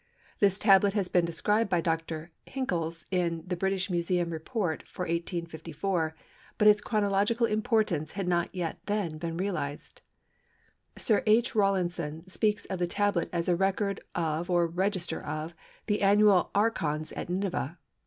This tablet had been described by Dr. Hinckes in the British Museum Report for 1854 but its chronological importance had not then been realised. Sir H. Rawlinson speaks of the tablet as a record of or register of the annual archons at Nineveh.